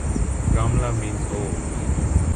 "Gamla" means "old.